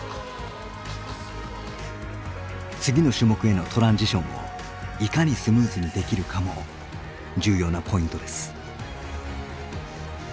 次の種目へのトランジションをいかにスムーズにできるかも重要なポイントです。